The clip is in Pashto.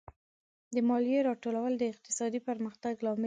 د مالیې راټولول د اقتصادي پرمختګ لامل دی.